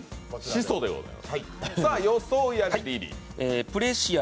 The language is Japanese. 始祖でございます。